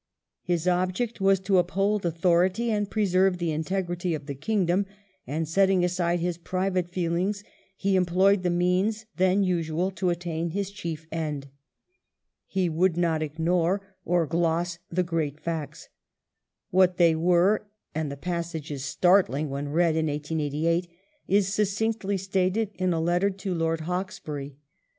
His object was to uphold authority and preserve the integrity of the kingdom, and, setting aside his private feelings, he employed the means then usual to attain his chief end. He would not ignore or gloss the IV IRELAND IN 1807 ^ great facts. What they were, and the passage is start ling when read in 1888, is succinctly stated in a letter to Lord Hawkesbury.